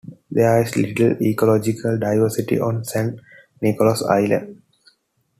There is little ecological diversity on San Nicolas Island.